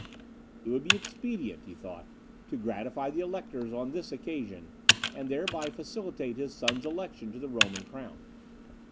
"It would be expedient," he thought, "to gratify the Electors on this occasion, and thereby facilitate his son's election to the Roman Crown.